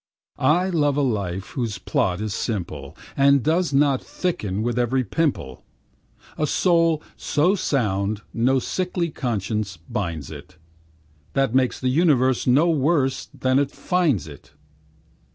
I love a life whose plot is simple, And does not thicken with every pimple, A soul so sound no sickly conscience binds it, That makes the universe no worse than 't finds it.